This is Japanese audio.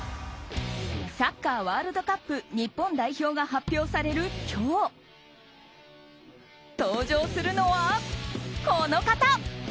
サッカーワールドカップ日本代表が発表される今日登場するのは、この方。